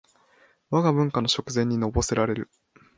わが文化の食膳にのぼせられる